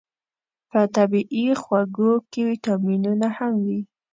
په طبیعي خوږو کې ویتامینونه هم وي.